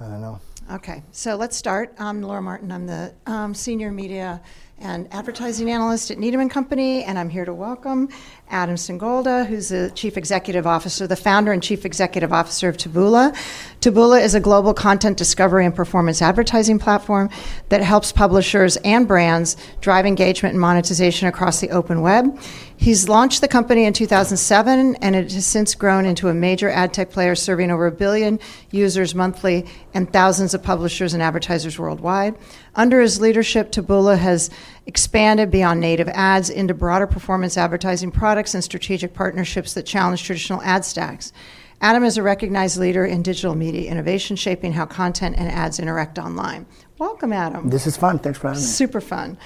I don't know. Okay, so let's start. I'm Laura Martin. I'm the Senior Media and Advertising Analyst at Needham & Company, and I'm here to welcome Adam Singolda, who's the Chief Executive Officer, the founder and Chief Executive Officer of Taboola. Taboola is a global content discovery and performance advertising platform that helps publishers and brands drive engagement and monetization across the open web. He's launched the company in 2007, and it has since grown into a major ad tech player serving over a billion users monthly and thousands of publishers and advertisers worldwide. Under his leadership, Taboola has expanded beyond native ads into broader performance advertising products and strategic partnerships that challenge traditional ad stacks. Adam is a recognized leader in digital media innovation, shaping how content and ads interact online. Welcome, Adam. This is fun. Thanks for having me. Super fun.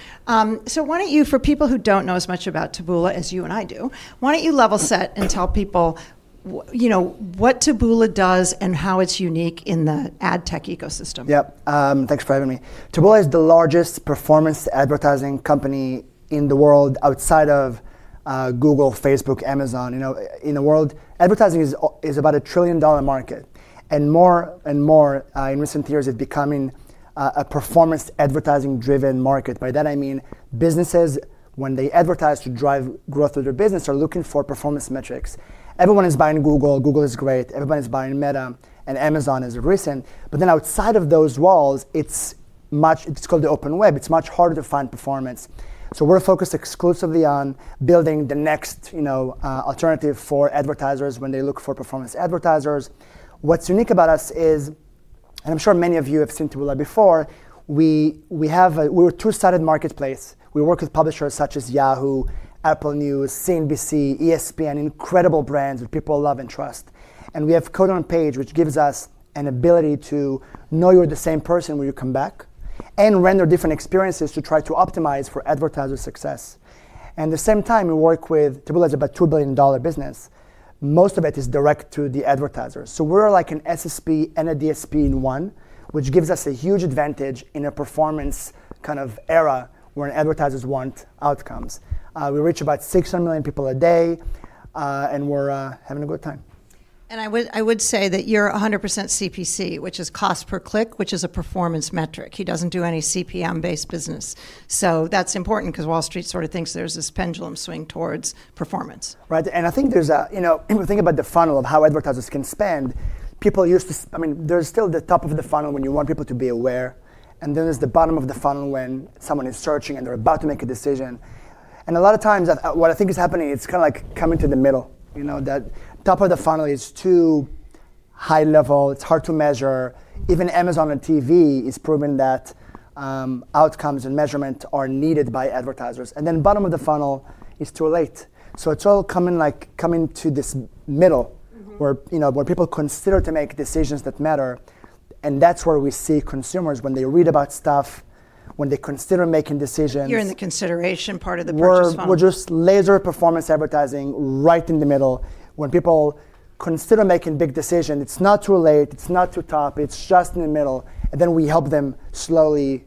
So why don't you, for people who don't know as much about Taboola as you and I do, why don't you level set and tell people, you know, what Taboola does and how it's unique in the ad tech ecosystem? Yep. Thanks for having me. Taboola is the largest performance advertising company in the world outside of Google, Facebook, Amazon. You know, in the world, advertising is about a $1 trillion market, and more and more in recent years it's becoming a performance advertising-driven market. By that, I mean businesses, when they advertise to drive growth of their business, are looking for performance metrics. Everyone is buying Google. Google is great. Everyone is buying Meta, and Amazon is recent. But then outside of those walls, it's much, it's called the open web. It's much harder to find performance. So we're focused exclusively on building the next, you know, alternative for advertisers when they look for performance advertisers. What's unique about us is, and I'm sure many of you have seen Taboola before, we have a, we're a two-sided marketplace. We work with publishers such as Yahoo, Apple News, CNBC, ESPN, and incredible brands that people love and trust, and we have Code on Page, which gives us an ability to know you're the same person when you come back and render different experiences to try to optimize for advertiser success. At the same time, Taboola is about a $2 billion business. Most of it is direct to the advertisers, so we're like an SSP and a DSP in one, which gives us a huge advantage in a performance kind of era where advertisers want outcomes. We reach about 600 million people a day, and we're having a good time. And I would say that you're 100% CPC, which is cost per click, which is a performance metric. He doesn't do any CPM-based business. So that's important because Wall Street sort of thinks there's this pendulum swing towards performance. Right. And I think there's a, you know, when we think about the funnel of how advertisers can spend, people used to, I mean, there's still the top of the funnel when you want people to be aware, and then there's the bottom of the funnel when someone is searching and they're about to make a decision. And a lot of times, what I think is happening, it's kind of like coming to the middle. You know, that top of the funnel is too high level. It's hard to measure. Even Amazon on TV is proving that outcomes and measurements are needed by advertisers. And then the bottom of the funnel is too late. So it's all coming to this middle where, you know, where people consider to make decisions that matter. And that's where we see consumers when they read about stuff, when they consider making decisions. You're in the consideration part of the purchase funnel. We're just laser performance advertising right in the middle when people consider making big decisions. It's not too late. It's not too tough. It's just in the middle. And then we help them slowly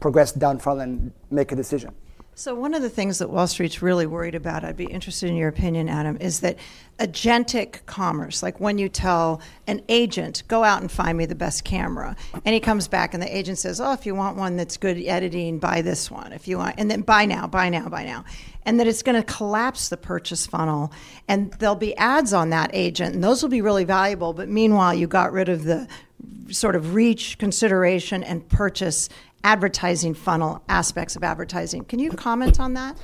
progress down the funnel and make a decision. So one of the things that Wall Street's really worried about (I'd be interested in your opinion, Adam) is that agentic commerce, like when you tell an agent, "Go out and find me the best camera," and he comes back and the agent says, "Oh, if you want one that's good at editing, buy this one. If you want, and then buy now, buy now, buy now," and that it's going to collapse the purchase funnel, and there'll be ads on that agent, and those will be really valuable. But meanwhile, you got rid of the sort of reach, consideration, and purchase advertising funnel aspects of advertising. Can you comment on that?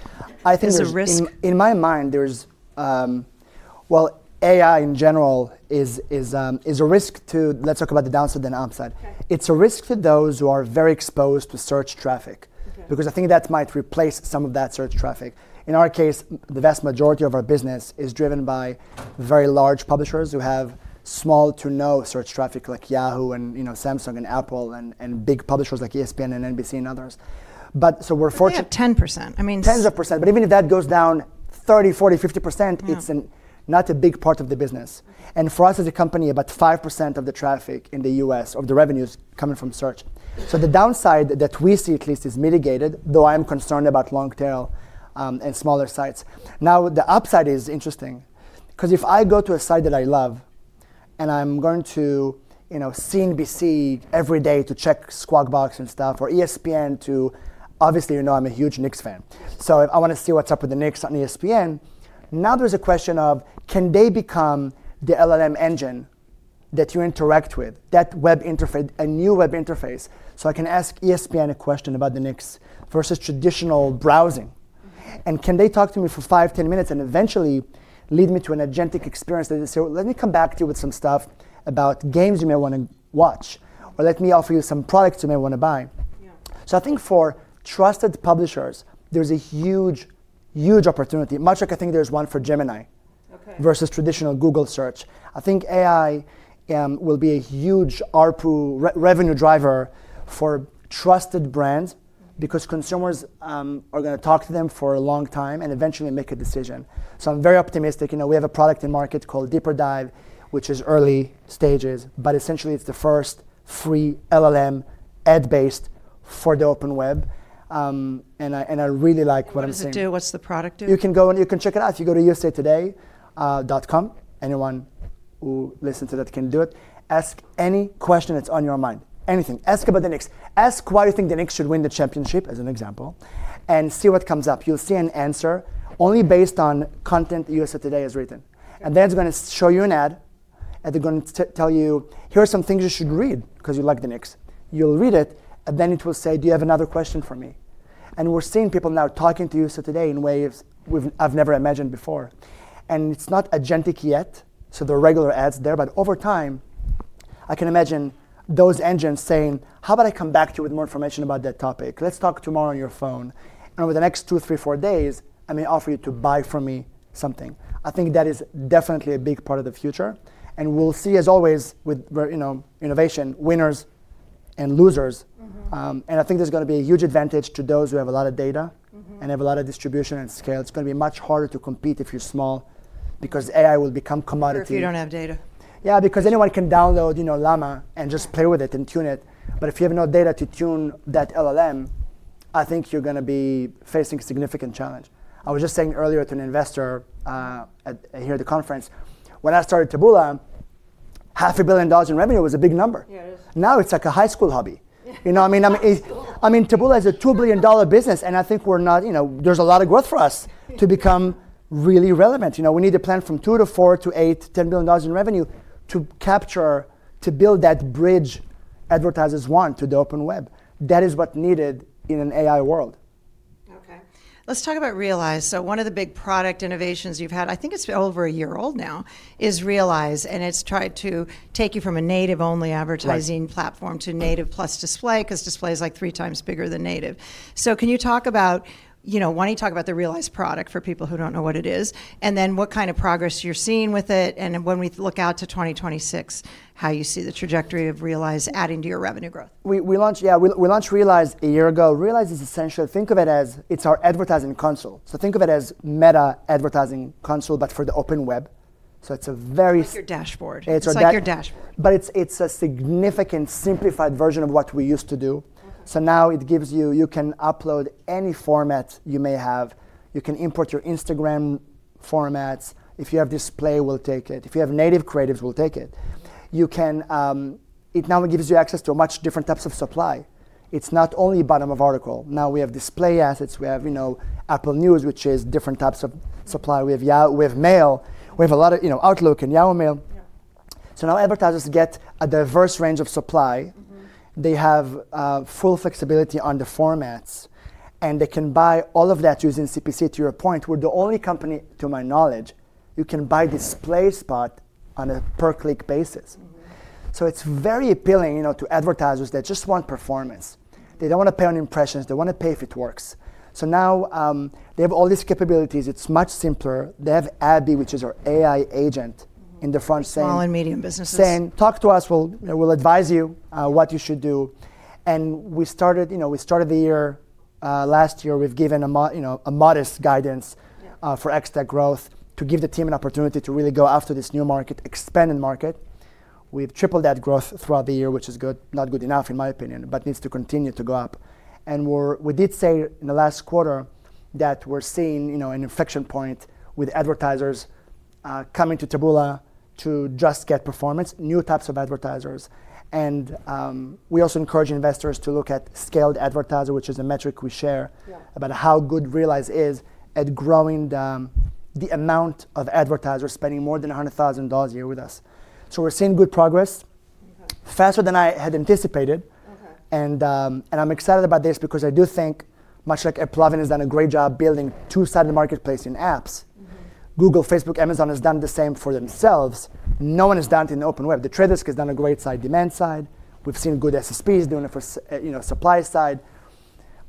I think there's a risk. In my mind, there's well, AI in general is a risk to, let's talk about the downside, then upside. It's a risk to those who are very exposed to search traffic because I think that might replace some of that search traffic. In our case, the vast majority of our business is driven by very large publishers who have small to no search traffic, like Yahoo and, you know, Samsung and Apple and big publishers like ESPN and NBC and others. But so we're fortunate. You got 10%. I mean. Tens of percent. But even if that goes down 30%-50%, it's not a big part of the business. And for us as a company, about 5% of the traffic in the U.S. of the revenue is coming from search. So the downside that we see, at least, is mitigated, though I'm concerned about long tail and smaller sites. Now, the upside is interesting because if I go to a site that I love and I'm going to, you know, CNBC every day to check Squawk Box and stuff, or ESPN to, obviously, you know, I'm a huge Knicks fan. So I want to see what's up with the Knicks on ESPN. Now there's a question of, can they become the LLM engine that you interact with, that web interface, a new web interface? So I can ask ESPN a question about the Knicks versus traditional browsing. Can they talk to me for five, 10 minutes and eventually lead me to an agentic experience that says, "Let me come back to you with some stuff about games you may want to watch," or "Let me offer you some products you may want to buy." So I think for trusted publishers, there's a huge, huge opportunity, much like I think there's one for Gemini versus traditional Google search. I think AI will be a huge ARPU revenue driver for trusted brands because consumers are going to talk to them for a long time and eventually make a decision. So I'm very optimistic. You know, we have a product in market called Deeper Dive, which is early stages, but essentially it's the first free LLM AI-based for the open web. I really like what I'm seeing. What does it do? What's the product do? You can go and you can check it out. If you go to usatoday.com, anyone who listens to that can do it. Ask any question that's on your mind. Anything. Ask about the Knicks. Ask why you think the Knicks should win the championship, as an example, and see what comes up. You'll see an answer only based on content that USA Today has written, and then it's going to show you an ad, and they're going to tell you, "Here are some things you should read because you like the Knicks." You'll read it, and then it will say, "Do you have another question for me?", and we're seeing people now talking to USA Today in ways I've never imagined before, and it's not agentic yet, so there are regular ads there. But over time, I can imagine those engines saying, "How about I come back to you with more information about that topic? Let's talk tomorrow on your phone. And over the next two, three, four days, I may offer you to buy from me something." I think that is definitely a big part of the future. And we'll see, as always with, you know, innovation, winners and losers. And I think there's going to be a huge advantage to those who have a lot of data and have a lot of distribution and scale. It's going to be much harder to compete if you're small because AI will become commodity. If you don't have data. Yeah, because anyone can download, you know, Llama and just play with it and tune it. But if you have no data to tune that LLM, I think you're going to be facing a significant challenge. I was just saying earlier to an investor here at the conference, when I started Taboola, $500 million in revenue was a big number. Now it's like a high school hobby. You know what I mean? I mean, Taboola is a $2 billion business, and I think we're not, you know, there's a lot of growth for us to become really relevant. You know, we need to plan from $2 billion to $4 billion to $8 billion, $10 billion in revenue to capture, to build that bridge advertisers want to the open web. That is what's needed in an AI world. Okay. Let's talk about Realize. So one of the big product innovations you've had, I think it's over a year old now, is Realize, and it's tried to take you from a native-only advertising platform to native + display because display is like three times bigger than native. So can you talk about, you know, why don't you talk about the Realize product for people who don't know what it is, and then what kind of progress you're seeing with it, and when we look out to 2026, how you see the trajectory of Realize adding to your revenue growth? We launched, yeah, we launched Realize a year ago. Realize is essential. Think of it as it's our advertising console. So think of it as Meta advertising console, but for the open web. So it's a very. It's your dashboard. It's like your dashboard. But it's a significantly simplified version of what we used to do. So now it gives you. You can upload any format you may have. You can import your Instagram formats. If you have display, we'll take it. If you have native creatives, we'll take it. You can. It now gives you access to a much different type of supply. It's not only bottom of article. Now we have display assets. We have, you know, Apple News, which is different types of supply. We have Mail. We have a lot of, you know, Outlook and Yahoo Mail. So now advertisers get a diverse range of supply. They have full flexibility on the formats, and they can buy all of that using CPC to your point. We're the only company, to my knowledge, you can buy display spot on a per-click basis. So it's very appealing, you know, to advertisers that just want performance. They don't want to pay on impressions. They want to pay if it works. So now they have all these capabilities. It's much simpler. They have Abby, which is our AI agent in the front saying. Small and medium businesses. Saying, "Talk to us. We'll advise you what you should do." And we started, you know, we started the year last year. We've given a modest guidance for ad tech growth to give the team an opportunity to really go after this new market, expanded market. We've tripled that growth throughout the year, which is good, not good enough in my opinion, but needs to continue to go up. And we did say in the last quarter that we're seeing, you know, an inflection point with advertisers coming to Taboola to just get performance, new types of advertisers. And we also encourage investors to look at scaled advertiser, which is a metric we share about how good Realize is at growing the amount of advertisers spending more than $100,000 a year with us. So we're seeing good progress, faster than I had anticipated. I'm excited about this because I do think, much like AppLovin has done a great job building a two-sided marketplace in apps. Google, Facebook, Amazon has done the same for themselves. No one has done it in the open web. The Trade Desk has done a great job on the demand side. We've seen good SSPs doing it for, you know, the supply side.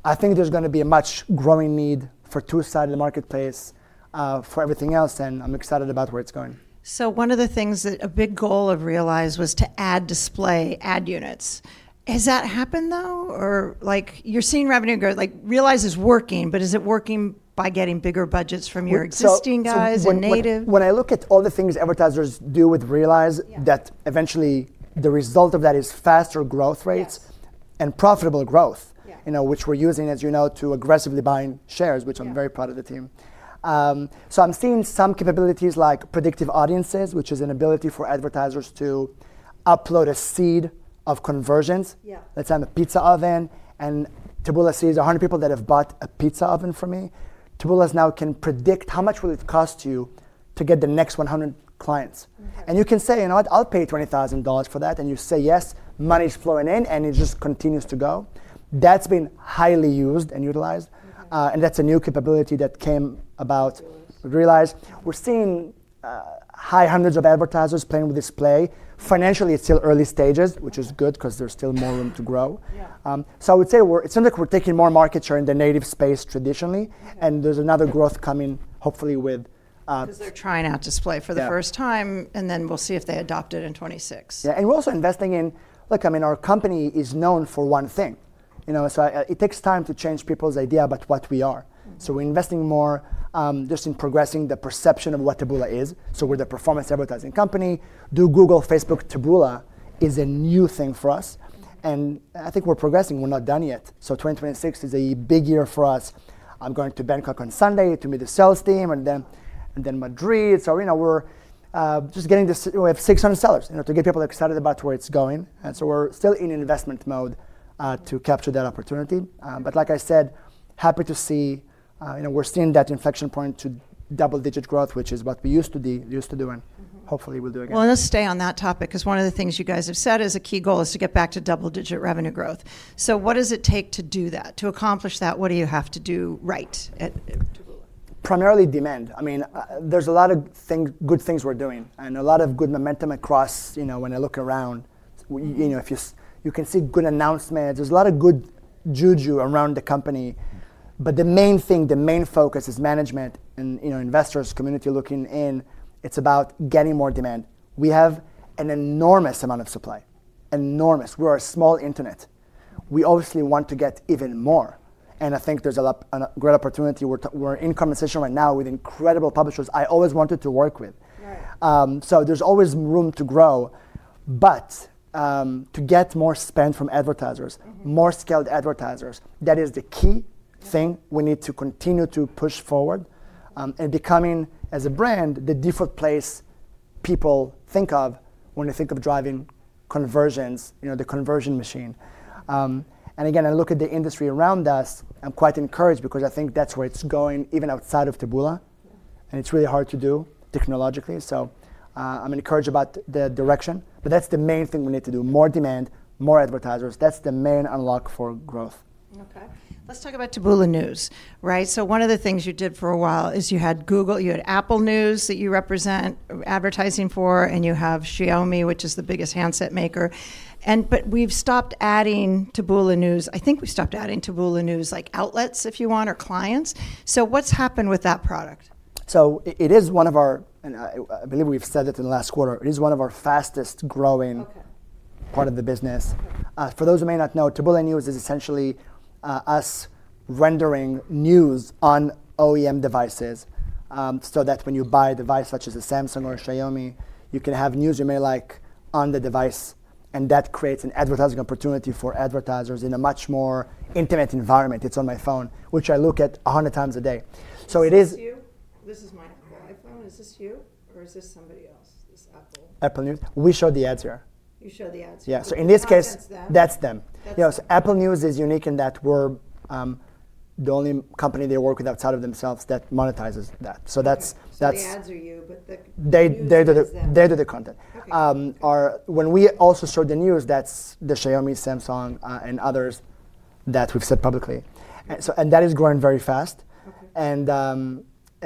I think there's going to be a much greater need for a two-sided marketplace for everything else, and I'm excited about where it's going. So one of the things that a big goal of Realize was to add display ad units. Has that happened, though? Or like you're seeing revenue grow, like Realize is working, but is it working by getting bigger budgets from your existing guys and native? When I look at all the things advertisers do with Realize, that eventually the result of that is faster growth rates and profitable growth, you know, which we're using, as you know, to aggressively buy shares, which I'm very proud of the team, so I'm seeing some capabilities like predictive audiences, which is an ability for advertisers to upload a seed of conversions. Let's say I'm a pizza oven and Taboola sees 100 people that have bought a pizza oven from me. Taboola now can predict how much will it cost you to get the next 100 clients, and you can say, you know what, I'll pay $20,000 for that, and you say yes, money's flowing in, and it just continues to go. That's been highly used and utilized, and that's a new capability that came about with Realize. We're seeing high hundreds of advertisers playing with display. Financially, it's still early stages, which is good because there's still more room to grow. So I would say it seems like we're taking more markets here in the native space traditionally. And there's another growth coming, hopefully, with. Because they're trying out display for the first time, and then we'll see if they adopt it in 2026. Yeah. And we're also investing in, look, I mean, our company is known for one thing. You know, so it takes time to change people's idea about what we are. So we're investing more just in progressing the perception of what Taboola is. So we're the performance advertising company. To Google, Facebook, Taboola is a new thing for us. And I think we're progressing. We're not done yet. So 2026 is a big year for us. I'm going to Bangkok on Sunday to meet the sales team and then Madrid. So, you know, we're just getting this, we have 600 sellers, you know, to get people excited about where it's going. And so we're still in investment mode to capture that opportunity. But like I said, happy to see, you know, we're seeing that inflection point to double-digit growth, which is what we used to do and hopefully we'll do again. Well, let's stay on that topic because one of the things you guys have said as a key goal is to get back to double-digit revenue growth. So what does it take to do that? To accomplish that, what do you have to do right at Taboola? Primarily demand. I mean, there's a lot of good things we're doing and a lot of good momentum across, you know, when I look around, you know, you can see good announcements. There's a lot of good juju around the company, but the main thing, the main focus is management and, you know, investors, community looking in. It's about getting more demand. We have an enormous amount of supply. Enormous. We're a small internet. We obviously want to get even more, and I think there's a great opportunity. We're in conversation right now with incredible publishers I always wanted to work with. So there's always room to grow, but to get more spend from advertisers, more scaled advertisers, that is the key thing we need to continue to push forward. And becoming, as a brand, the default place people think of when they think of driving conversions, you know, the conversion machine. And again, I look at the industry around us. I'm quite encouraged because I think that's where it's going, even outside of Taboola. And it's really hard to do technologically. So I'm encouraged about the direction. But that's the main thing we need to do. More demand, more advertisers. That's the main unlock for growth. Okay. Let's talk about Taboola News, right? So one of the things you did for a while is you had Google, you had Apple News that you represent advertising for, and you have Xiaomi, which is the biggest handset maker. And but we've stopped adding Taboola News. I think we stopped adding Taboola News like outlets, if you want, or clients. So what's happened with that product? So it is one of our, and I believe we've said it in the last quarter, it is one of our fastest growing part of the business. For those who may not know, Taboola News is essentially us rendering news on OEM devices so that when you buy a device such as a Samsung or a Xiaomi, you can have news you may like on the device. And that creates an advertising opportunity for advertisers in a much more intimate environment. It's on my phone, which I look at 100 times a day. So it is. Is this you? This is my iPhone. Is this you? Or is this somebody else? This Apple. Apple News. We show the ads here. You show the ads here. Yeah, so in this case, that's them. You know, Apple News is unique in that we're the only company they work with outside of themselves that monetizes that. So that's. So the ads are you, but the. They do the content. When we also show the news, that's the Xiaomi, Samsung, and others that we've said publicly. And that is growing very fast.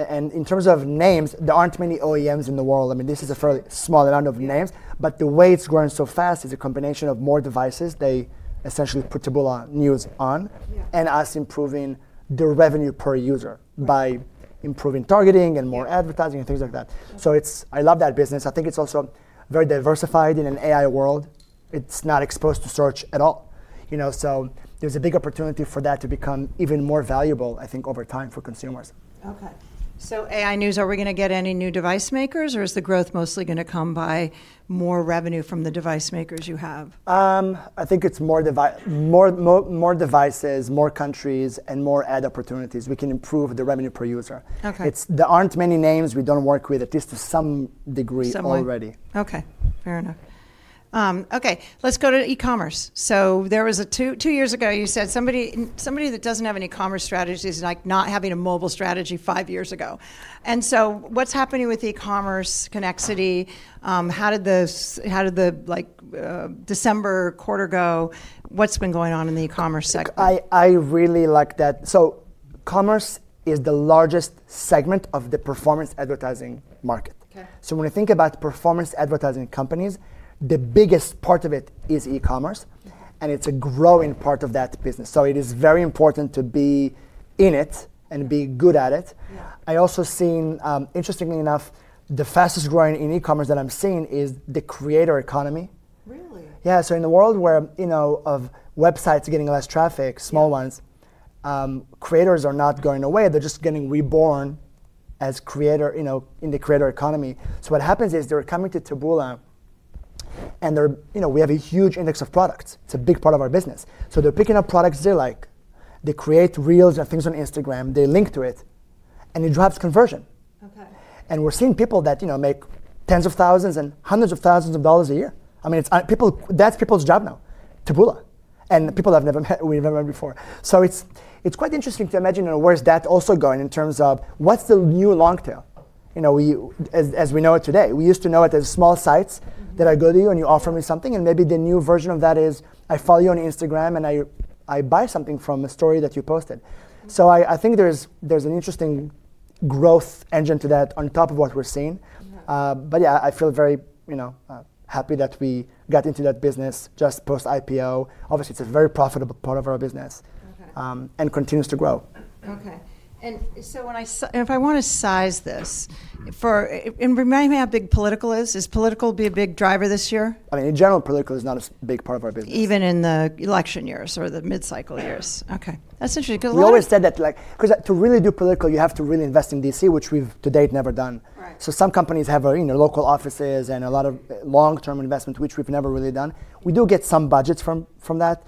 And in terms of names, there aren't many OEMs in the world. I mean, this is a fairly small amount of names. But the way it's growing so fast is a combination of more devices. They essentially put Taboola News on and us improving the revenue per user by improving targeting and more advertising and things like that. So it's, I love that business. I think it's also very diversified in an AI world. It's not exposed to search at all. You know, so there's a big opportunity for that to become even more valuable, I think, over time for consumers. Okay. So Taboola News, are we going to get any new device makers, or is the growth mostly going to come by more revenue from the device makers you have? I think it's more devices, more countries, and more ad opportunities. We can improve the revenue per user. There aren't many names we don't work with, at least to some degree already. Okay. Fair enough. Okay. Let's go to e-commerce. So there was a, two years ago, you said somebody that doesn't have any commerce strategy is like not having a mobile strategy five years ago. And so what's happening with e-commerce connectivity? How did the, like, December quarter go? What's been going on in the e-commerce sector? I really like that. So commerce is the largest segment of the performance advertising market. So when we think about performance advertising companies, the biggest part of it is e-commerce, and it's a growing part of that business. So it is very important to be in it and be good at it. I also seen, interestingly enough, the fastest growing in e-commerce that I'm seeing is the Creator Economy. Really? Yeah. So in a world where, you know, of websites getting less traffic, small ones, creators are not going away. They're just getting reborn as creator, you know, in the creator economy. So what happens is they're coming to Taboola. And they're, you know, we have a huge index of products. It's a big part of our business. So they're picking up products they like. They create reels and things on Instagram. They link to it, and it drives conversion. And we're seeing people that, you know, make tens of thousands and hundreds of thousands of dollars a year. I mean, that's people's job now, Taboola. And people I've never met, we've never met before. So it's quite interesting to imagine where's that also going in terms of what's the new long tail, you know, as we know it today. We used to know it as small sites that I go to you and you offer me something, and maybe the new version of that is I follow you on Instagram and I buy something from a story that you posted, so I think there's an interesting growth engine to that on top of what we're seeing, but yeah, I feel very, you know, happy that we got into that business just post-IPO. Obviously, it's a very profitable part of our business and continues to grow. Okay. And so if I want to size this for, and remind me how big political is. Is political be a big driver this year? I mean, in general, political is not a big part of our business. Even in the election years or the mid-cycle years. Okay. That's interesting. We always said that, like, because to really do political, you have to really invest in DC, which we've to date never done, so some companies have local offices and a lot of long-term investment, which we've never really done. We do get some budgets from that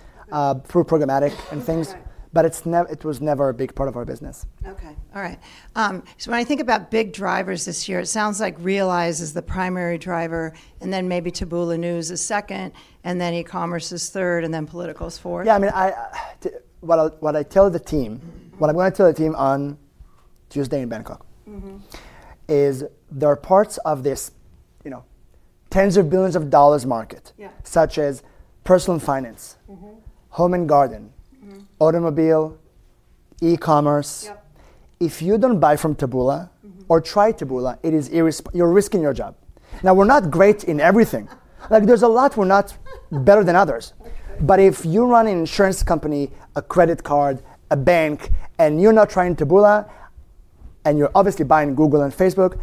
through programmatic and things, but it was never a big part of our business. Okay. All right. So when I think about big drivers this year, it sounds like Realize is the primary driver, and then maybe Taboola News is second, and then e-commerce is third, and then political is fourth. Yeah. I mean, what I tell the team, what I'm going to tell the team on Tuesday in Bangkok is there are parts of this, you know, tens of billions of dollars market, such as personal finance, home and garden, automobile, e-commerce. If you don't buy from Taboola or try Taboola, you're risking your job. Now, we're not great in everything. Like, there's a lot we're not better than others. But if you run an insurance company, a credit card, a bank, and you're not trying Taboola, and you're obviously buying Google and Facebook,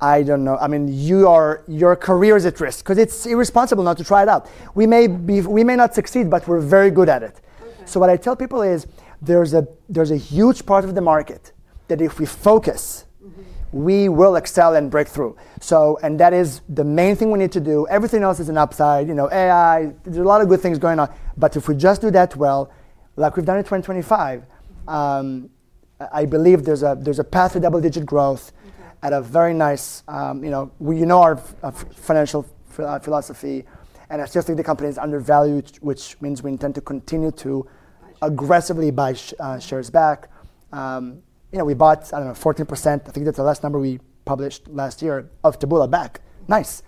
I don't know. I mean, your career is at risk because it's irresponsible not to try it out. We may not succeed, but we're very good at it. So what I tell people is there's a huge part of the market that if we focus, we will excel and break through. So, and that is the main thing we need to do. Everything else is an upside, you know, AI. There's a lot of good things going on. But if we just do that well, like we've done in 2025, I believe there's a path to double-digit growth at a very nice, you know, we know our financial philosophy. And I still think the company is undervalued, which means we intend to continue to aggressively buy shares back. You know, we bought, I don't know, 14%. I think that's the last number we published last year of Taboola back. Nice.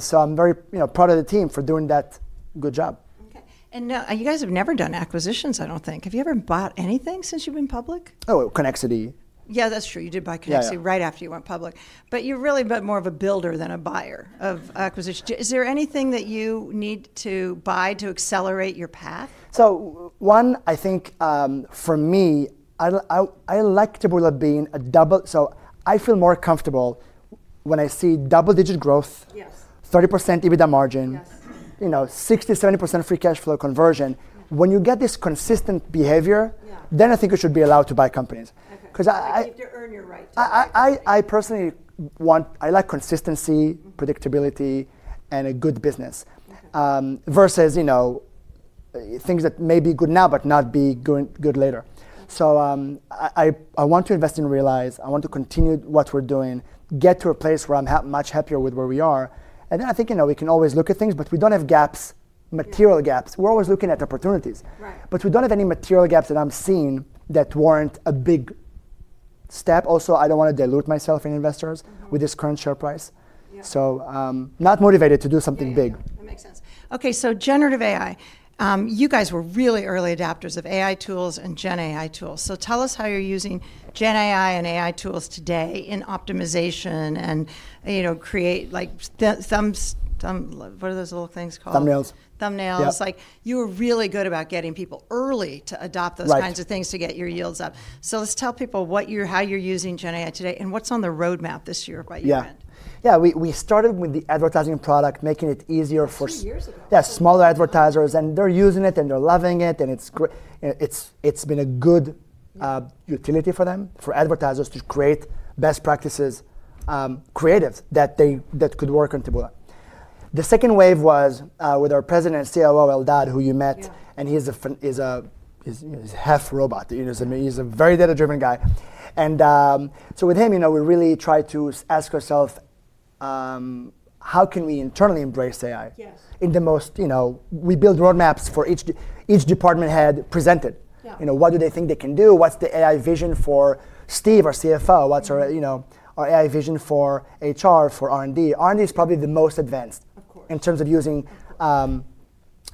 So I'm very, you know, proud of the team for doing that good job. Okay. And now you guys have never done acquisitions, I don't think. Have you ever bought anything since you've been public? Oh, Connectivity. Yeah, that's true. You did buy Connexity right after you went public. But you're really more of a builder than a buyer of acquisitions. Is there anything that you need to buy to accelerate your path? So one, I think for me, I like Taboola being a double. So I feel more comfortable when I see double-digit growth, 30% EBITDA margin, you know, 60%-70% free cash flow conversion. When you get this consistent behavior, then I think it should be allowed to buy companies. You have to earn your right to buy it. I personally want. I like consistency, predictability, and a good business versus, you know, things that may be good now but not be good later. So I want to invest in Realize. I want to continue what we're doing, get to a place where I'm much happier with where we are. And then I think, you know, we can always look at things, but we don't have gaps, material gaps. We're always looking at opportunities. But we don't have any material gaps that I'm seeing that warrant a big step. Also, I don't want to dilute our shares with investors with this current share price. So, not motivated to do something big. That makes sense. Okay. So generative AI. You guys were really early adopters of AI tools and Gen AI tools. So tell us how you're using Gen AI and AI tools today in optimization and, you know, create like some, what are those little things called? Thumbnails. Thumbnails. Like you were really good about getting people early to adopt those kinds of things to get your yields up. So let's tell people what you're, how you're using Gen AI today and what's on the roadmap this year by the end. Yeah. Yeah. We started with the advertising product, making it easier for. Three years ago. Yeah, smaller advertisers. And they're using it and they're loving it. And it's been a good utility for them, for advertisers to create best practices, creatives that could work on Taboola. The second wave was with our President and COO, Eldad, who you met, and he's a half robot. He's a very data-driven guy. And so with him, you know, we really try to ask ourselves, how can we internally embrace AI in the most, you know, we build roadmaps for each department head presented. You know, what do they think they can do? What's the AI vision for Steve, our CFO? What's our, you know, our AI vision for HR, for R&D? R&D is probably the most advanced in terms of using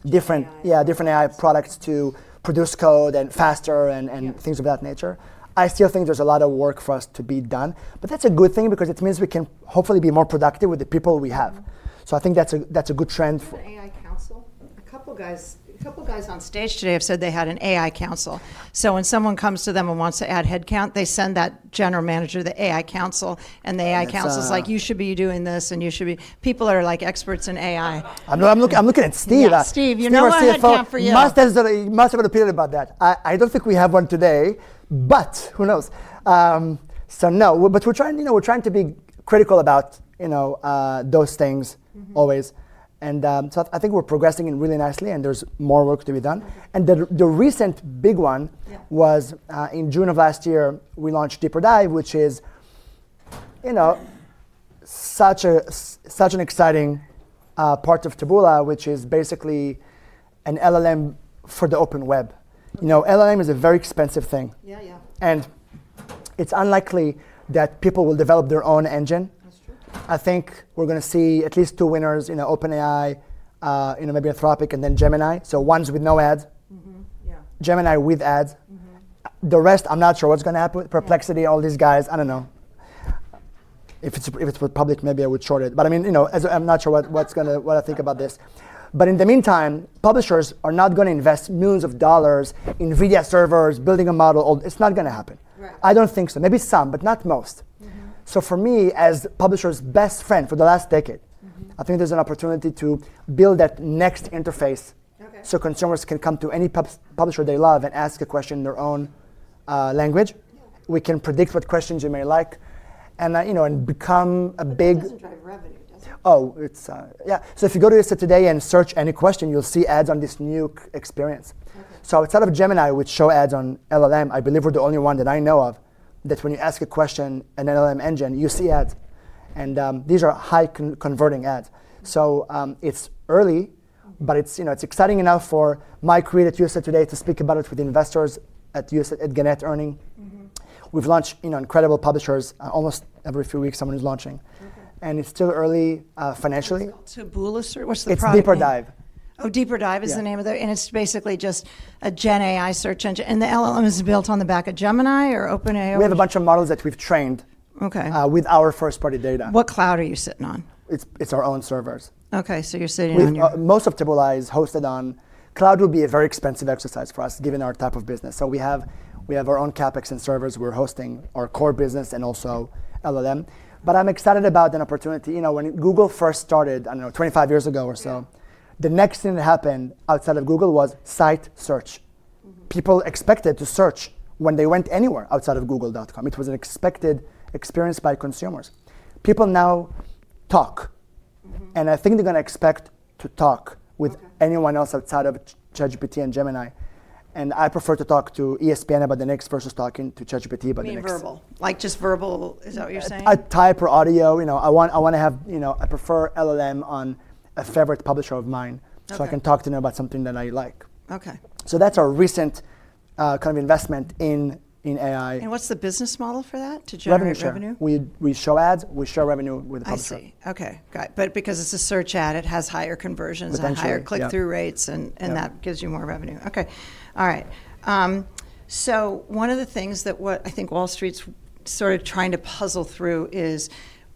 different AI products to produce code faster and things of that nature. I still think there's a lot of work for us to be done, but that's a good thing because it means we can hopefully be more productive with the people we have, so I think that's a good trend. Is there an AI Council? A couple of guys on stage today have said they had an AI Council. So when someone comes to them and wants to add headcount, they send that general manager of the AI Council. And the AI Council is like, you should be doing this and you should be. People are like experts in AI. I'm looking at Steve. Steve, you know what headcount for you? You must have an opinion about that. I don't think we have one today, but who knows? So no, but we're trying to be critical about, you know, those things always. And so I think we're progressing really nicely and there's more work to be done. And the recent big one was in June of last year, we launched Deeper Dive, which is, you know, such an exciting part of Taboola, which is basically an LLM for the Open Web. You know, LLM is a very expensive thing. Yeah, yeah. And it's unlikely that people will develop their own engine. I think we're going to see at least two winners, you know, OpenAI, you know, maybe Anthropic and then Gemini. So ones with no ads. Yeah, Gemini with ads. The rest, I'm not sure what's going to happen. Perplexity, all these guys, I don't know. If it's public, maybe I would short it. But I mean, you know, I'm not sure what I think about this. But in the meantime, publishers are not going to invest millions of dollars in NVIDIA servers, building a model. It's not going to happen. I don't think so. Maybe some, but not most. So for me, as publisher's best friend for the last decade, I think there's an opportunity to build that next interface so consumers can come to any publisher they love and ask a question in their own language. We can predict what questions you may like and, you know, become a big. It doesn't drive revenue, does it? Oh, yeah. So if you go to your site today and search any question, you'll see ads on this new experience. So outside of Gemini, which show ads on LLM, I believe we're the only one that I know of that when you ask a question in an LLM engine, you see ads. And these are high-converting ads. So it's early, but it's, you know, it's exciting enough for my creator at USA TODAY to speak about it with investors at Gannett earnings. We've launched, you know, incredible publishers almost every few weeks, someone is launching. And it's still early financially. Taboola search, what's the prompt? It's Deeper Dive. Oh, Deeper Dive is the name of the, and it's basically just a Gen AI search engine. And the LLM is built on the back of Gemini or OpenAI? We have a bunch of models that we've trained with our first-party data. What cloud are you sitting on? It's our own servers. Okay, so you're sitting on. Most of Taboola is hosted on cloud. Cloud will be a very expensive exercise for us given our type of business. So we have our own CapEx and servers. We're hosting our core business and also LLM. But I'm excited about an opportunity, you know, when Google first started, I don't know, 25 years ago or so, the next thing that happened outside of Google was site search. People expected to search when they went anywhere outside of google.com. It was an expected experience by consumers. People now talk, and I think they're going to expect to talk with anyone else outside of ChatGPT and Gemini, and I prefer to talk to ESPN about the Knicks versus talking to ChatGPT about the Knicks. You mean verbal, like just verbal, is that what you're saying? Type or audio, you know, I want to have, you know, I prefer LLM on a favorite publisher of mine so I can talk to them about something that I like. Okay. That's our recent kind of investment in AI. What's the business model for that? To generate revenue? We show ads. We show revenue with a publisher. I see. Okay. Got it. But because it's a search ad, it has higher conversions, higher click-through rates, and that gives you more revenue. Okay. All right. So one of the things that I think Wall Street's sort of trying to puzzle through is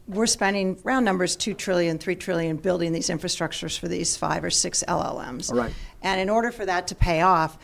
we're spending round numbers, $2 trillion, $3 trillion, building these infrastructures for these five or six LLMs. And in order for that to pay off,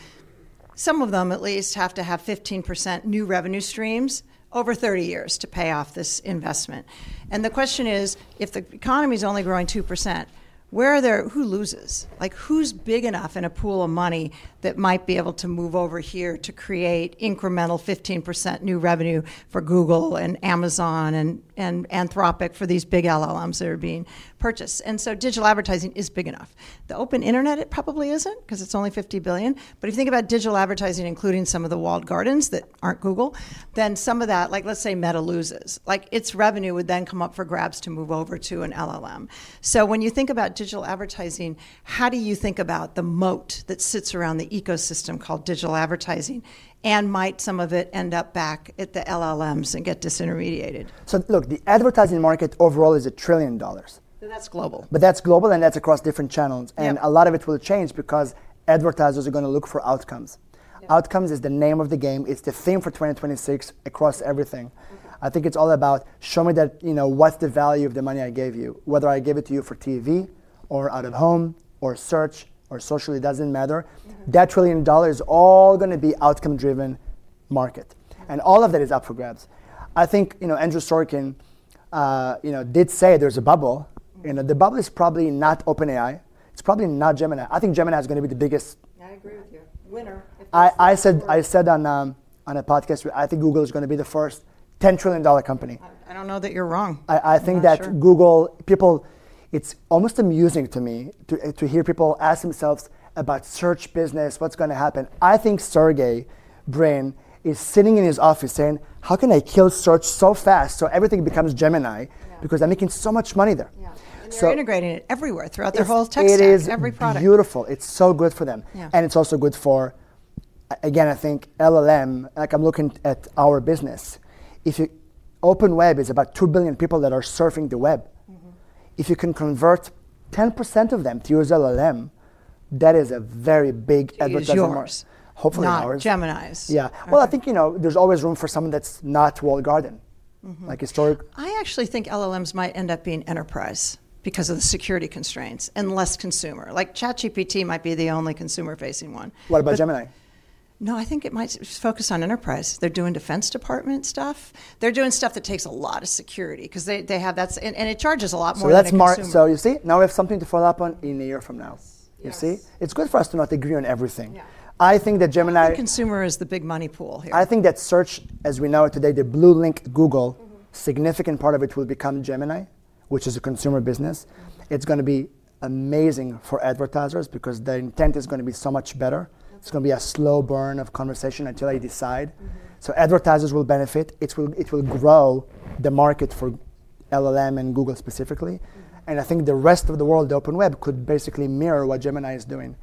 some of them at least have to have 15% new revenue streams over 30 years to pay off this investment. And the question is, if the economy is only growing 2%, where are there, who loses? Like who's big enough in a pool of money that might be able to move over here to create incremental 15% new revenue for Google and Amazon and Anthropic for these big LLMs that are being purchased? And so digital advertising is big enough. The open internet, it probably isn't because it's only 50 billion. But if you think about digital advertising, including some of the walled gardens that aren't Google, then some of that, like let's say Meta loses, like its revenue would then come up for grabs to move over to an LLM. So when you think about digital advertising, how do you think about the moat that sits around the ecosystem called digital advertising and might some of it end up back at the LLMs and get disintermediated? Look, the advertising market overall is $1 trillion. That's global. But that's global and that's across different channels. And a lot of it will change because advertisers are going to look for outcomes. Outcomes is the name of the game. It's the theme for 2026 across everything. I think it's all about show me that, you know, what's the value of the money I gave you, whether I gave it to you for TV or out of home or search or socially, it doesn't matter. That trillion-dollar is all going to be outcome-driven market. And all of that is up for grabs. I think, you know, Andrew Ross Sorkin, you know, did say there's a bubble. You know, the bubble is probably not OpenAI. It's probably not Gemini. I think Gemini is going to be the biggest. I agree with you. Winner. I said on a podcast, I think Google is going to be the first $10 trillion company. I don't know that you're wrong. I think that Google, people, it's almost amusing to me to hear people ask themselves about search business, what's going to happen. I think Sergey Brin is sitting in his office saying, how can I kill search so fast so everything becomes Gemini because I'm making so much money there? They're integrating it everywhere throughout their whole tech stack, every product. It is beautiful. It's so good for them, and it's also good for, again, I think LLM, like I'm looking at our business. If you open web, it's about 2 billion people that are surfing the web. If you can convert 10% of them to use LLM, that is a very big advertiser. Huge numbers. Hopefully ours. Not Gemini's. Yeah. Well, I think, you know, there's always room for someone that's not walled garden, like historic. I actually think LLMs might end up being enterprise because of the security constraints and less consumer. Like ChatGPT might be the only consumer-facing one. What about Gemini? No, I think it might focus on enterprise. They're doing Defense Department stuff. They're doing stuff that takes a lot of security because they have that, and it charges a lot more than consumer. So you see, now we have something to follow up on in a year from now. You see? It's good for us to not agree on everything. I think that Gemini. The consumer is the big money pool here. I think that search, as we know it today, the blue link Google, significant part of it will become Gemini, which is a consumer business. It's going to be amazing for advertisers because the intent is going to be so much better. It's going to be a slow burn of conversation until I decide. So advertisers will benefit. It will grow the market for LLM and Google specifically. And I think the rest of the world, the open web, could basically mirror what Gemini is doing.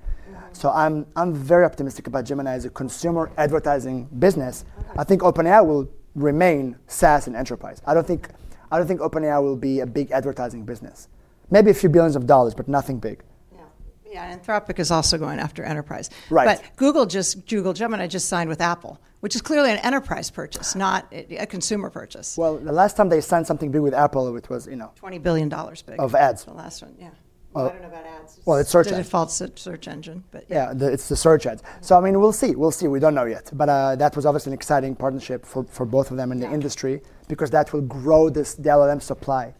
So I'm very optimistic about Gemini as a consumer advertising business. I think OpenAI will remain SaaS and enterprise. I don't think OpenAI will be a big advertising business. Maybe a few billions of dollars, but nothing big. Yeah. Yeah. Anthropic is also going after enterprise. Right. But Google Gemini just signed with Apple, which is clearly an enterprise purchase, not a consumer purchase. The last time they signed something big with Apple, it was, you know. $20 billion big. Of ads. The last one, yeah. I don't know about ads. It's search ads. The default search engine, but yeah. Yeah, it's the search ads. So I mean, we'll see. We'll see. We don't know yet. But that was obviously an exciting partnership for both of them in the industry because that will grow this LLM supply.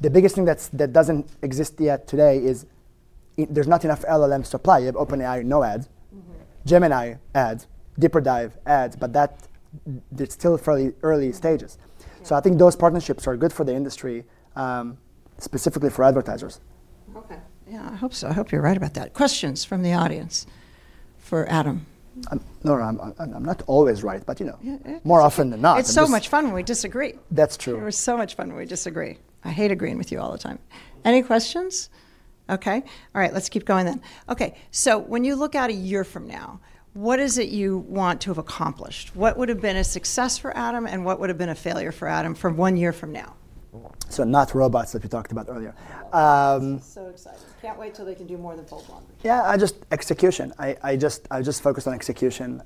The biggest thing that doesn't exist yet today is there's not enough LLM supply. You have OpenAI, no ads. Gemini ads, Deeper Dive ads, but that's still fairly early stages. So I think those partnerships are good for the industry, specifically for advertisers. Okay. Yeah, I hope so. I hope you're right about that. Questions from the audience for Adam? No, I'm not always right, but you know, more often than not. It's so much fun when we disagree. That's true. It was so much fun when we disagree. I hate agreeing with you all the time. Any questions? Okay. All right. Let's keep going then. Okay. So when you look at a year from now, what is it you want to have accomplished? What would have been a success for Adam and what would have been a failure for Adam from one year from now? So not robots that we talked about earlier. So excited. Can't wait till they can do more than full blown. Yeah, it's just execution. I just focus on execution.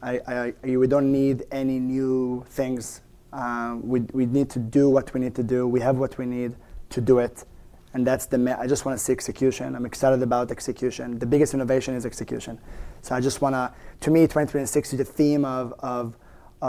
We don't need any new things. We need to do what we need to do. We have what we need to do it. And that's the main. I just want to see execution. I'm excited about execution. The biggest innovation is execution. So I just want to, to me, 2026 is the theme of,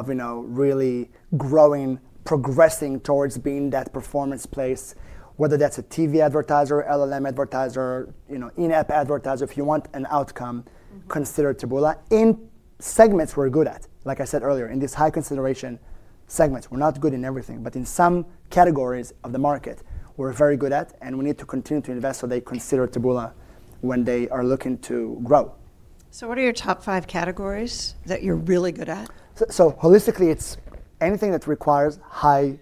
you know, really growing, progressing towards being that performance place, whether that's a TV advertiser, LLM advertiser, you know, in-app advertiser. If you want an outcome, consider Taboola. In segments we're good at, like I said earlier, in these high consideration segments, we're not good in everything, but in some categories of the market, we're very good at and we need to continue to invest so they consider Taboola when they are looking to grow. So what are your top five categories that you're really good at? Holistically, it's anything that requires high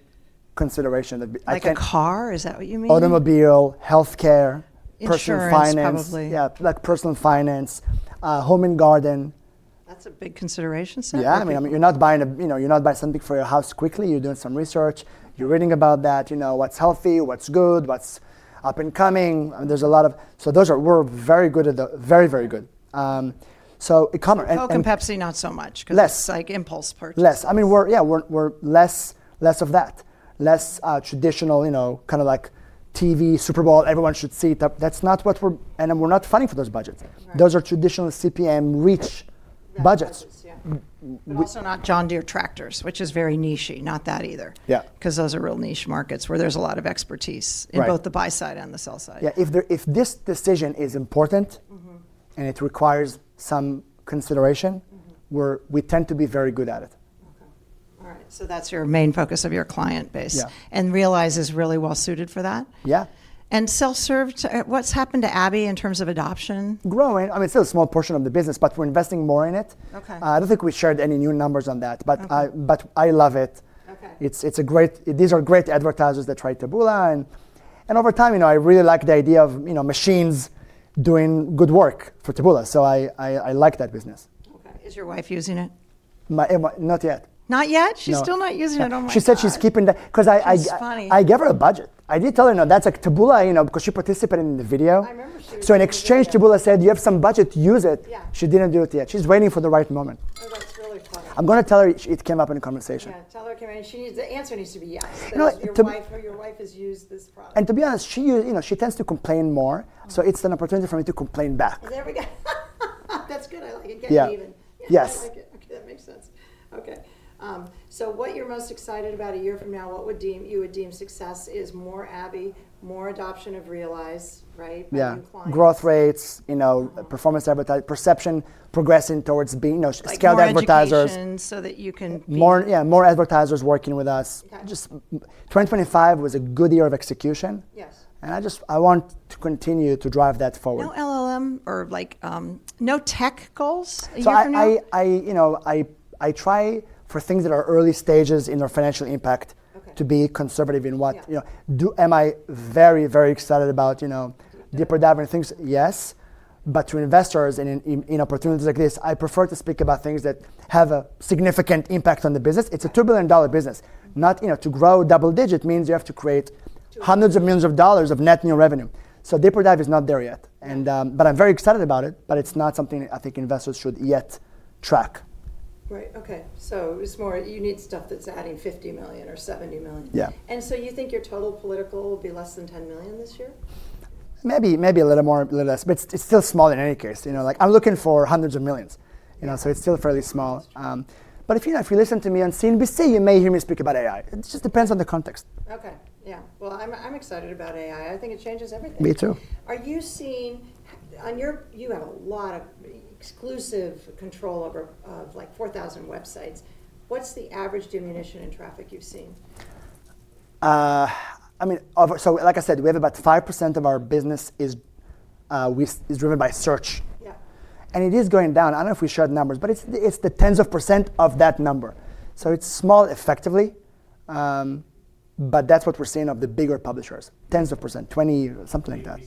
consideration. Like a car, is that what you mean? Automobile, healthcare, personal finance. Insurance, probably. Yeah, like personal finance, home and garden. That's a big consideration segment. Yeah. I mean, you're not buying a, you know, you're not buying something for your house quickly. You're doing some research. You're reading about that, you know, what's healthy, what's good, what's up and coming. There's a lot of, so those are, we're very good at the, very, very good. So e-commerce. Coke and Pepsi, not so much because it's like impulse purchase. Less. I mean, we're, yeah, we're less of that. Less traditional, you know, kind of like TV, Super Bowl, everyone should see. That's not what we're, and we're not vying for those budgets. Those are traditional CPM reach budgets. Yeah. Also not John Deere tractors, which is very niche. Not that either. Yeah. Because those are real niche markets where there's a lot of expertise in both the buy side and the sell side. Yeah. If this decision is important and it requires some consideration, we tend to be very good at it. Okay. All right. So that's your main focus of your client base. Yeah. Realize is really well suited for that. Yeah. Self-serve, what's happened to Abby in terms of adoption? Growing. I mean, it's still a small portion of the business, but we're investing more in it. I don't think we shared any new numbers on that, but I love it. It's a great, these are great advertisers that try Taboola, and over time, you know, I really like the idea of, you know, machines doing good work for Taboola. So I like that business. Okay. Is your wife using it? Not yet. Not yet? She's still not using it? No. She said she's keeping that because I gave her a budget. I did tell her, you know, that's a Taboola, you know, because she participated in the video. I remember she was. So in exchange, Taboola said, you have some budget, use it. She didn't do it yet. She's waiting for the right moment. Oh, that's really funny. I'm going to tell her it came up in the conversation. Yeah. Tell her it came up, and the answer needs to be yes. Your wife has used this product. And to be honest, she, you know, she tends to complain more. So it's an opportunity for me to complain back. There we go. That's good. I like it. Getting even. Yes. I like it. Okay. That makes sense. Okay. So what you're most excited about a year from now, what would you deem success? Is more Abby, more adoption of Realize, right? Yeah. By employees. Growth rates, you know, performance advertising, perception progressing towards being, you know, scaled advertisers. Expansion so that you can be. Yeah. More advertisers working with us. Just 2025 was a good year of execution. Yes. And I just, I want to continue to drive that forward. No LLM or like no tech goals? So I, you know, I try for things that are early stages in our financial impact to be conservative in what, you know, am I very, very excited about, you know, Deeper Dive things? Yes. But to investors in opportunities like this, I prefer to speak about things that have a significant impact on the business. It's a $2 billion business. Not, you know, to grow double digit means you have to create hundreds of millions of dollars of net new revenue. So Deeper Dive is not there yet. But I'm very excited about it, but it's not something I think investors should yet track. Right. Okay. So it's more you need stuff that's adding 50 million or 70 million. Yeah. And so you think your total political will be less than $10 million this year? Maybe, maybe a little more, a little less, but it's still small in any case. You know, like I'm looking for hundreds of millions, you know, so it's still fairly small. But if you listen to me on CNBC, you may hear me speak about AI. It just depends on the context. Okay. Yeah. Well, I'm excited about AI. I think it changes everything. Me too. Are you seeing on your, you have a lot of exclusive control over like 4,000 websites. What's the average diminution in traffic you've seen? I mean, so like I said, we have about 5% of our business is driven by search. Yeah. It is going down. I don't know if we shared numbers, but it's the tens of % of that number. It's small effectively, but that's what we're seeing of the bigger publishers. Tens of %, 20%, something like that.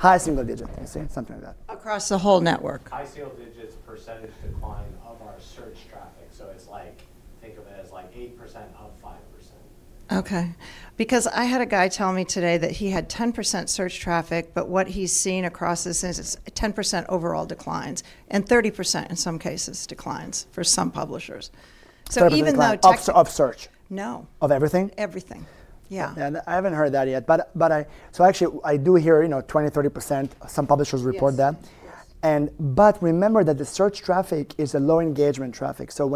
You said high single digits. High single digits. You see something like that. Across the whole network. High single digits percentage decline of our search traffic. So it's like, think of it as like 8% of 5%. Okay. Because I had a guy tell me today that he had 10% search traffic, but what he's seen across this is 10% overall declines and 30% in some cases declines for some publishers. So even though. Of search? No. Of everything? Everything. Yeah. I haven't heard that yet, but I, so actually I do hear, you know, 20%-30%; some publishers report that. But remember that the search traffic is low-engagement traffic. So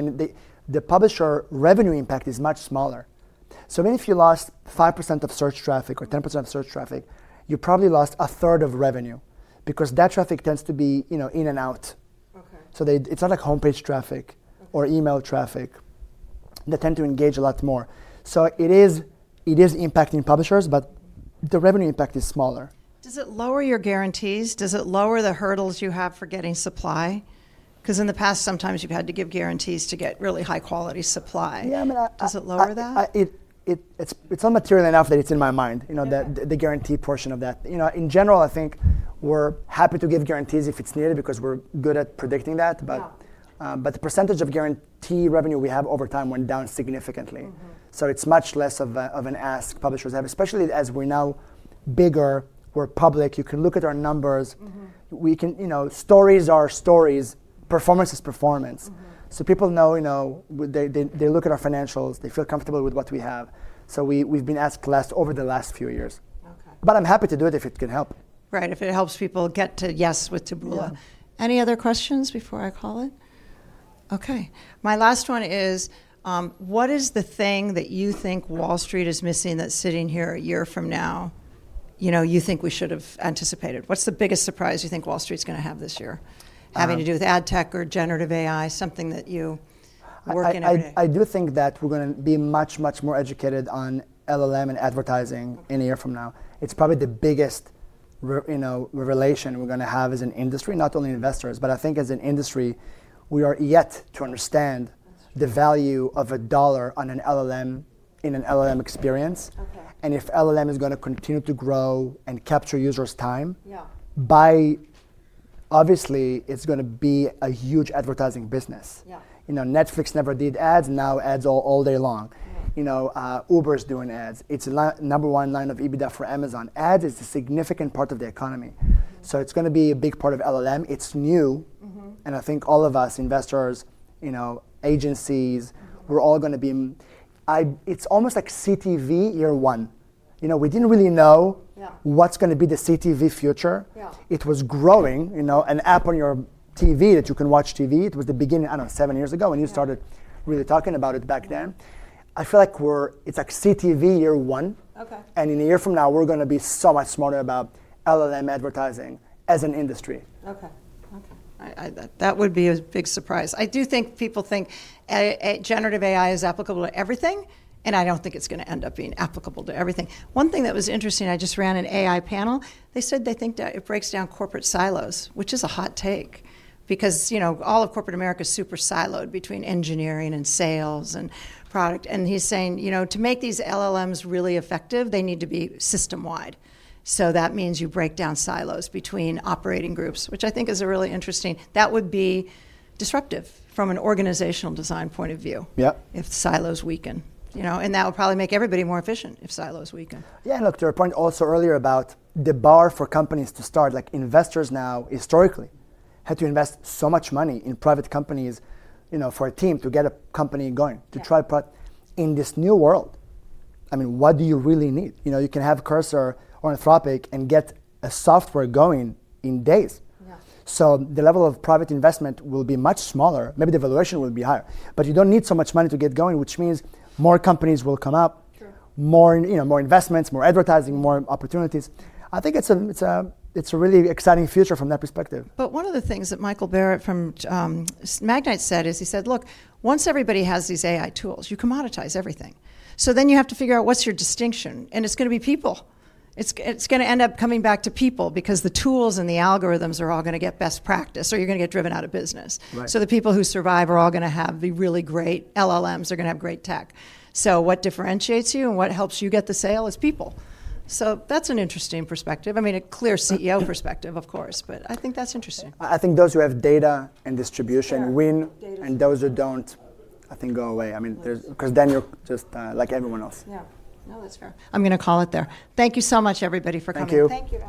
the publisher revenue impact is much smaller. Even if you lost 5% of search traffic or 10% of search traffic, you probably lost a third of revenue because that traffic tends to be, you know, in and out. Okay. It's not like homepage traffic or email traffic. They tend to engage a lot more. It is impacting publishers, but the revenue impact is smaller. Does it lower your guarantees? Does it lower the hurdles you have for getting supply? Because in the past, sometimes you've had to give guarantees to get really high quality supply. Yeah. Does it lower that? It's not material enough that it's in my mind, you know, the guarantee portion of that. You know, in general, I think we're happy to give guarantees if it's needed because we're good at predicting that. But the percentage of guarantee revenue we have over time went down significantly. So it's much less of an ask publishers have, especially as we're now bigger, we're public. You can look at our numbers. We can, you know, stories are stories. Performance is performance. So people know, you know, they look at our financials, they feel comfortable with what we have. So we've been asked less over the last few years. Okay. But I'm happy to do it if it can help. Right. If it helps people get to yes with Taboola. Any other questions before I call it? Okay. My last one is, what is the thing that you think Wall Street is missing that's sitting here a year from now, you know, you think we should have anticipated? What's the biggest surprise you think Wall Street's going to have this year? Having to do with ad tech or generative AI, something that you work in. I do think that we're going to be much, much more educated on llM&Advertising in a year from now. It's probably the biggest, you know, revelation we're going to have as an industry, not only investors, but I think as an industry, we are yet to understand the value of a dollar on an LLM in an LLM experience, and if LLM is going to continue to grow and capture users' time, by obviously it's going to be a huge advertising business. You know, Netflix never did ads, now ads all day long. You know, Uber is doing ads. It's the number one line of EBITDA for Amazon. Ads is a significant part of the economy, so it's going to be a big part of LLM. It's new. And I think all of us investors, you know, agencies, we're all going to be. It's almost like CTV year one. You know, we didn't really know what's going to be the CTV future. It was growing, you know, an app on your TV that you can watch TV. It was the beginning. I don't know, seven years ago when you started really talking about it back then. I feel like we're. It's like CTV year one. Okay. In a year from now, we're going to be so much smarter about LLM advertising as an industry. Okay. Okay. That would be a big surprise. I do think people think generative AI is applicable to everything, and I don't think it's going to end up being applicable to everything. One thing that was interesting, I just ran an AI panel. They said they think it breaks down corporate silos, which is a hot take because, you know, all of corporate America is super siloed between engineering and sales and product, and he's saying, you know, to make these LLMs really effective, they need to be system wide. So that means you break down silos between operating groups, which I think is a really interesting, that would be disruptive from an organizational design point of view. Yeah. If silos weaken, you know, and that would probably make everybody more efficient if silos weaken. Yeah. And look, to your point also earlier about the bar for companies to start, like investors now historically had to invest so much money in private companies, you know, for a team to get a company going to try in this new world. I mean, what do you really need? You know, you can have Cursor or Anthropic and get a software going in days. Yeah. So the level of private investment will be much smaller. Maybe the valuation will be higher, but you don't need so much money to get going, which means more companies will come up, more, you know, more investments, more advertising, more opportunities. I think it's a really exciting future from that perspective. But one of the things that Michael Barrett from Magnite said is he said, "Look, once everybody has these AI tools, you commoditize everything." So then you have to figure out what's your distinction. And it's going to be people. It's going to end up coming back to people because the tools and the algorithms are all going to get best practice or you're going to get driven out of business. Right. So the people who survive are all going to have the really great LLMs. They're going to have great tech. So what differentiates you and what helps you get the sale is people. So that's an interesting perspective. I mean, a clear CEO perspective, of course, but I think that's interesting. I think those who have data and distribution win and those who don't, I think go away. I mean, because then you're just like everyone else. Yeah. No, that's fair. I'm going to call it there. Thank you so much, everybody, for coming in. Thank you.